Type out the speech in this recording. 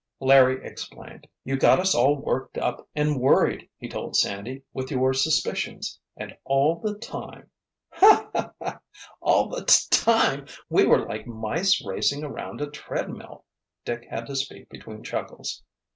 Larry explained. "You got us all worked up and worried," he told Sandy, "with your suspicions. And all the time——" "Ho ho ha ha! All the t time, we were like mice racing around a treadmill." Dick had to speak between chuckles.